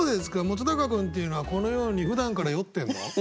本君っていうのはこのようにふだんから酔ってんの？